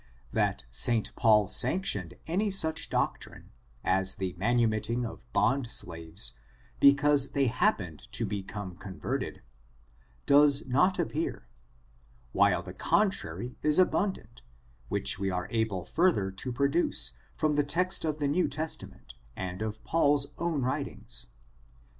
That St. Paul sanctioned any such doctrine, as the manumitting of bond slaves, because they happened to become converted, does not appear, while the con trary is abundant, which we are able further to pro duce, from the text of the New Testament, and of Paul's own writings.